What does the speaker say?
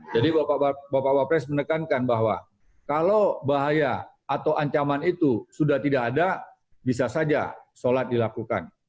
jadi bapak bapak pres menekankan bahwa kalau bahaya atau ancaman itu sudah tidak ada bisa saja sholat dilakukan